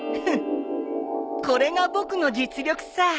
フッこれが僕の実力さ。